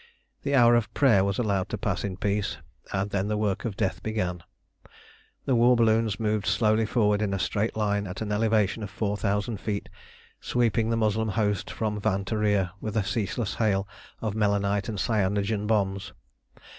The hour of prayer was allowed to pass in peace, and then the work of death began. The war balloons moved slowly forward in a straight line at an elevation of four thousand feet, sweeping the Moslem host from van to rear with a ceaseless hail of melinite and cyanogen bombs.